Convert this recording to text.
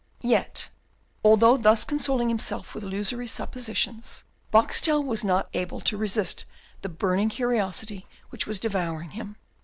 Yet, although thus consoling himself with illusory suppositions, Boxtel was not able to resist the burning curiosity which was devouring him.